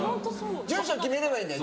住所決めればいいんだよ。